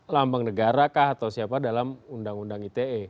lambang negara kah atau siapa dalam undang undang ite